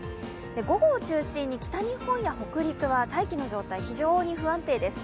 午後を中心に北日本や北陸は大気の状態、非常に不安定です。